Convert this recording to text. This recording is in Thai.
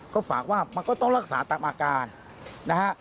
ก็ฝากว่ามันก็ต้องรักษาตามอาการนะฮะ